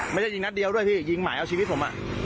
ไม่ใช่ยิงนัดเดียวด้วยพี่ยิงหมายเอาชีวิตผม